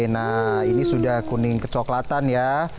nah ini sudah kuning kecoklatan ya